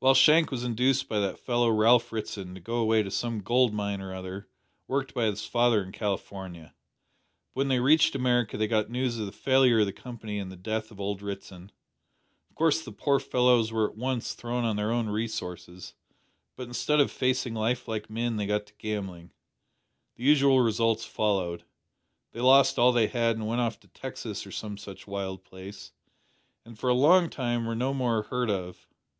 Well, Shank was induced by that fellow Ralph Ritson to go away to some gold mine or other worked by his father in California, but when they reached America they got news of the failure of the Company and the death of old Ritson. Of course the poor fellows were at once thrown on their own resources, but, instead of facing life like men, they took to gambling. The usual results followed. They lost all they had and went off to Texas or some such wild place, and for a long time were no more heard of.